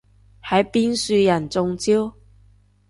係邊樹人中招？